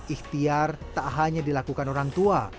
ikhtiar tak hanya dilakukan orang tua